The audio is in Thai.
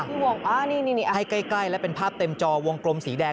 วงนี่ให้ใกล้แล้วเป็นภาพเต็มจอวงกลมสีแดง